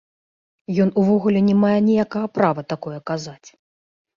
Ён увогуле не мае ніякага права такое казаць.